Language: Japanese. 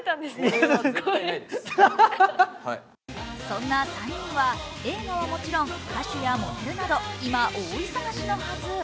そんな３人は映画はもちろん、歌手やモデルなど、今、大忙しのはず。